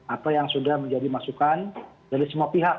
apa yang sudah menjadi masukan dari semua pihak